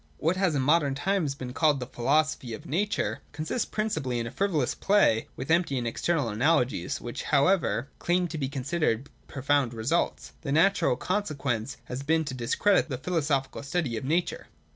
What has in modern times been called the Philosophy of Nature consists principally in a frivolous play with empty and external analogies, which, 190 192.J SYLLOGISMS OF NECESSITY. 327 however, claim to be considered profound results. The natural consequence has been to discredit the philosophical study of nature.